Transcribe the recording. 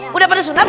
sudah pernah sunat